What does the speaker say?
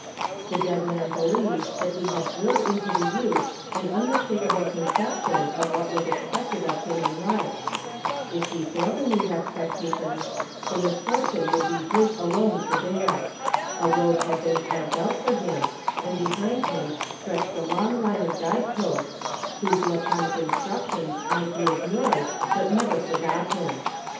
The dead man believed that he had drilled into the youth an unmistakable conception of what was expected of him in life; if he failed in these expectations the misfortune would be his alone to bear; a road had been carved out for him and behind him stretched a long line of guide posts whose laconic instructions might be ignored but never forgotten.